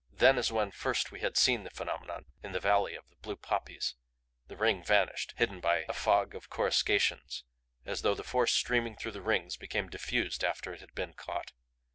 Then as when first we had seen the phenomenon in the valley of the blue poppies, the ring vanished, hidden by a fog of coruscations as though the force streaming through the rings became diffused after it had been caught.